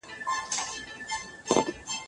مدافعان